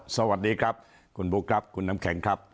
สวัสดีครับคุณบุ๊คครับคุณน้ำแข็งครับ